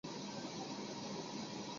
普拉迪耶尔。